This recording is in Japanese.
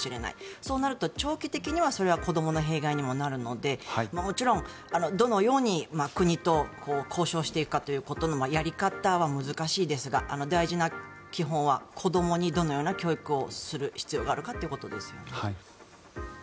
そうなると長期的にはそれは子どもの弊害にもなるのでもちろん、どのように国と交渉していくかということのやり方は難しいですが大事な基本は子どもにどのような教育をする必要があるかということですよね。